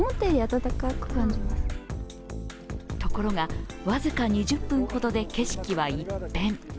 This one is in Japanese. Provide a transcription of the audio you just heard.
ところが、僅か２０分ほどで景色は一変。